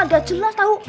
sudah jelas tau apa apa